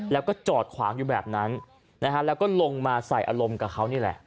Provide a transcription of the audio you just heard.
แล้วก็จอดขวางอยู่แบบนั้นนะฮะแล้วก็ลงมาใส่อารมณ์กับเขานี่แหละ